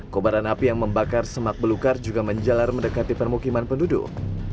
kobaran api yang membakar semak belukar juga menjalar mendekati permukiman penduduk